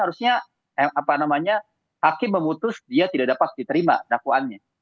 harusnya hakim memutus dia tidak dapat diterima dakwaannya